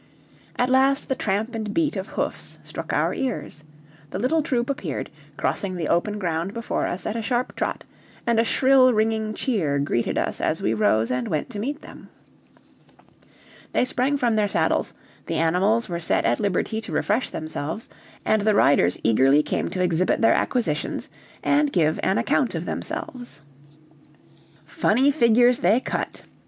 At last the tramp and beat of hoofs struck our ears; the little troop appeared, crossing the open ground before us at a sharp trot, and a shrill ringing cheer greeted us as we rose and went to meet them. They sprang from their saddles, the animals were set at liberty to refresh themselves, and the riders eagerly came to exhibit their acquisitions and give an account of themselves. Funny figures they cut!